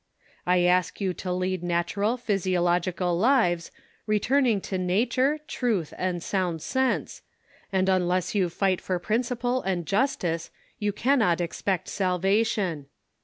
I ask you to lead natural physiological lives, returning to nature, truth and sound sense, and luiless you fight for in inciple and justice, you cannot expect salvation.